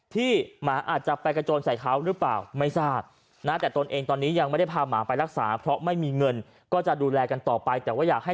ค่ะค่ะพอหนูเข้าไปก็คือเขาฟันหมาหนูเละหมดเลยอ่ะตั้งไปตลอดค่ะ